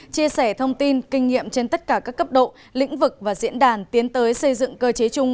chia sẻ thông tin kinh nghiệm trên tất cả các cấp độ lĩnh vực và diễn đàn tiến tới xây dựng cơ chế chung